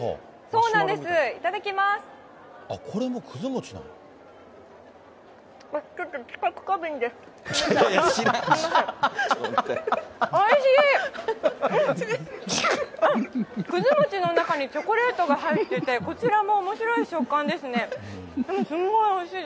うん、あっ、くず餅の中にチョコレートが入ってて、こちらもおもしろい食感ですね。